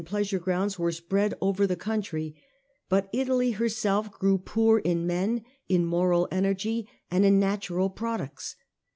pleasure grounds were spread over the country ; but Italy herself grew poor in men, in moral energy, and in natural products.